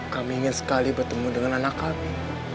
kami ingin sekali bertemu dengan anak kami